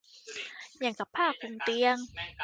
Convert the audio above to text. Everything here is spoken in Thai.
อย่างกับผ้าคลุมเตียง